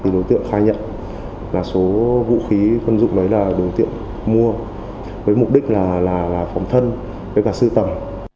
đối tượng khai nhận là số vũ khí quân dụng đấy là đối tượng mua với mục đích là phòng thân với cả sưu tầm